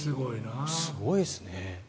すごいですね。